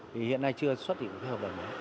vì hiện nay chưa xuất hiện cái hợp đồng đó